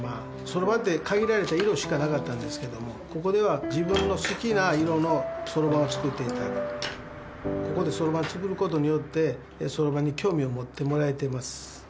そろばんって限られた色しかなかったんですけどもここでは自分の好きな色のそろばんを作っていただくここでそろばん作ることによってそろばんに興味を持ってもらえてます